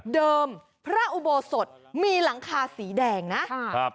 พระอุโบสถมีหลังคาสีแดงนะครับ